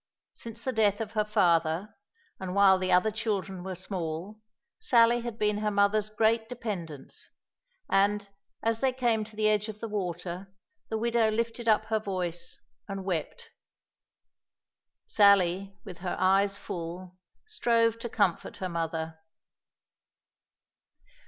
Since the death of her father, and while the other children were small, Sally had been her mother's great dependence; and, as they came to the edge of the water, the widow lifted up her voice and wept. Sally, with her eyes full, strove to comfort her mother.